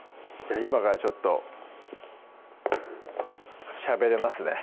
今からちょっとしゃべれますね